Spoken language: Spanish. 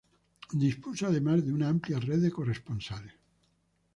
Dispuso además de una amplia red de corresponsales.